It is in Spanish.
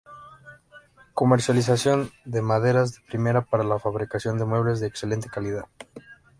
Comercialización de maderas de primera para la fabricación de muebles de excelente calidad.